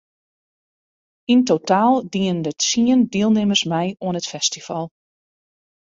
Yn totaal diene der tsien dielnimmers mei oan it festival.